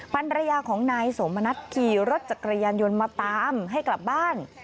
ภรรยาของนายสมณัฐขี่รถจักรยานยนต์มาตามให้กลับบ้าน